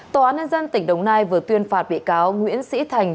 tòa án nhân dân tỉnh đồng nai vừa tuyên phạt bị cáo nguyễn sĩ thành